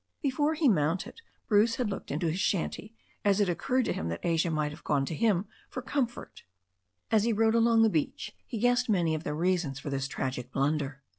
Before he mounted Bruce had looked into his shanty, as it occurred to him that Asia might have gone to him for comfort. As he rode along the beach he guessed many of "] 122 THE STORY OF A NEW ZEALAND RIVER the reasons for this tragic blunder.